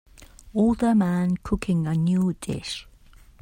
Older man cooking a new dish.